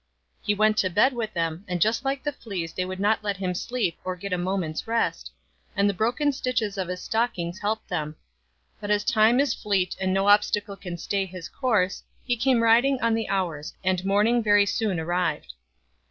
He went to bed with them, and just like fleas they would not let him sleep or get a moment's rest, and the broken stitches of his stockings helped them. But as Time is fleet and no obstacle can stay his course, he came riding on the hours, and morning very soon arrived.